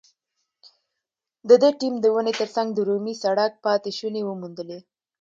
د ده ټیم د ونې تر څنګ د رومي سړک پاتې شونې وموندلې.